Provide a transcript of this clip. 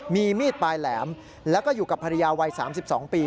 มีมีดปลายแหลมแล้วก็อยู่กับภรรยาวัย๓๒ปี